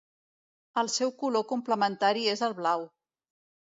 El seu color complementari és el blau.